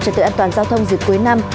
cho tựa an toàn giao thông dưới cuối năm